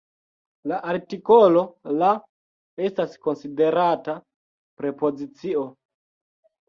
La artikolo "la" estas konsiderata "prepozicio".